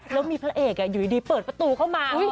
แล้วมีพระเอกอยู่ดีเปิดประตูเข้ามา